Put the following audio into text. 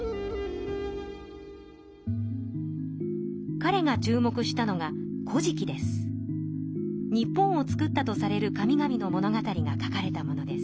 かれが注目したのが日本を造ったとされる神々の物語が書かれたものです。